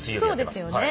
そうですね。